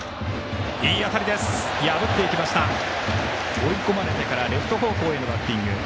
追い込まれてからレフト方向へのバッティング。